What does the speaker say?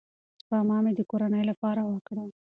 سپما مې د کورنۍ لپاره وکړه.